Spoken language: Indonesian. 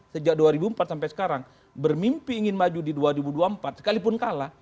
sejak dua ribu empat sampai sekarang bermimpi ingin maju di dua ribu dua puluh empat sekalipun kalah